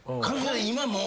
今もう。